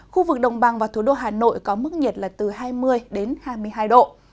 khu vực đồng bằng và thủ đô hà nội có mức nhiệt là từ hai mươi đến hai mươi hai độ